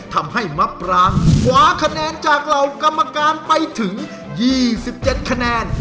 ทำให้มะปรางคว้าคะแนนจากเหล่ากรรมการไปถึง๒๗คะแนน